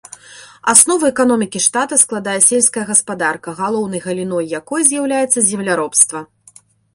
Аснову эканомікі штата складае сельская гаспадарка, галоўнай галіной якой з'яўляецца земляробства.